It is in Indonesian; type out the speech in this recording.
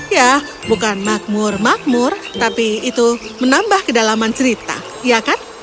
ya bukan makmur makmur tapi itu menambah kedalaman cerita ya kan